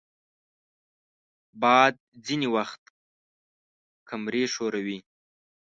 باد ځینې وخت کمرې ښوروي